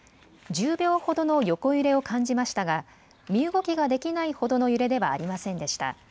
１０秒ほどの横揺れを感じましたが身動きができないほどの揺れではありませんでした。